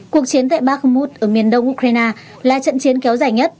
cuộc chiến tại bakhmood ở miền đông ukraine là trận chiến kéo dài nhất